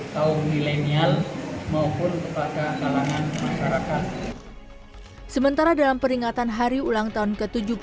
tahun milenial maupun kepada kalangan masyarakat sementara dalam peringatan hari ulang tahun ke tujuh